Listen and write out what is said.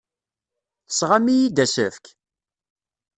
Tesɣam-iyi-d asefk?!